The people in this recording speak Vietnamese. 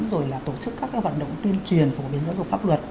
rồi là tổ chức các cái hoạt động tuyên truyền của biến giáo dục pháp luật